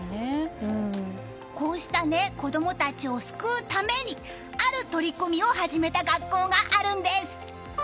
こうした子供たちを救うためにある取り組みを始めた学校があるんです。